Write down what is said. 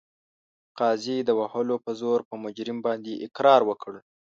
قاضي د وهلو په زور په مجرم باندې اقرار وکړ.